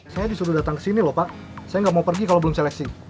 saya disuruh datang ke sini lho pak saya nggak mau pergi kalau belum seleksi